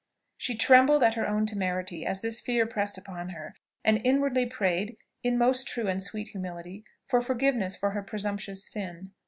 She trembled at her own temerity as this fear pressed upon her, and inwardly prayed, in most true and sweet humility, for forgiveness for her presumptuous sin.